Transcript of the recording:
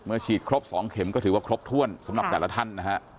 ฉีดครบ๒เข็มก็ถือว่าครบถ้วนสำหรับแต่ละท่านนะฮะ